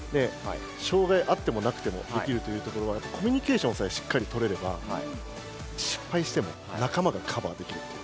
障害あってもなくてもできるというところはコミュニケーションさえしっかりとれれば失敗しても仲間がカバーできるっていう。